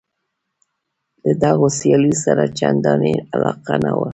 له دغو سیالیو سره یې چندانې علاقه نه وه.